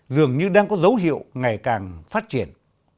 dường như đang có dấu hiệu ngày càng phát triển